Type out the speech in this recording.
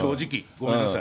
ごめんなさい。